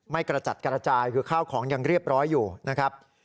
กระจัดกระจายคือข้าวของยังเรียบร้อยอยู่นะครับ